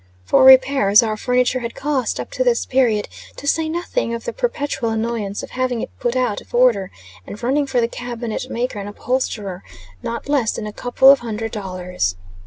For repairs, our furniture had cost, up to this period, to say nothing of the perpetual annoyance of having it put out of order, and running for the cabinet maker and upholsterer, not less than a couple of hundred dollars.